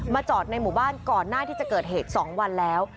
จอดในหมู่บ้านก่อนหน้าที่จะเกิดเหตุ๒วันแล้ว